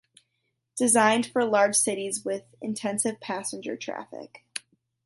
Designed for large cities with intensive passenger traffic.